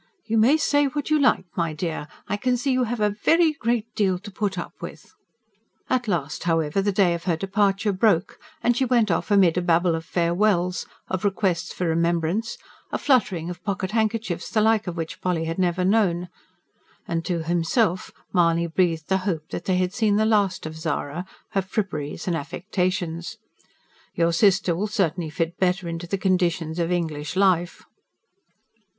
"You may say what you like, my dear I can see you have a VERY GREAT DEAL to put up with!" At last, however, the day of her departure broke, and she went off amid a babble of farewells, of requests for remembrance, a fluttering of pocket handkerchiefs, the like of which Polly had never known; and to himself Mahony breathed the hope that they had seen the last of Zara, her fripperies and affectations. "Your sister will certainly fit better into the conditions of English life."